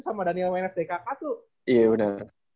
sama daniel wnsd kk tuh iya bener